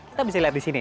kita bisa lihat di sini